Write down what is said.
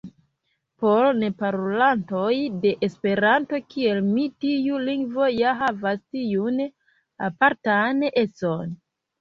Por neparolantoj de Esperanto, kiel mi, tiu lingvo ja havas tiun apartan econ.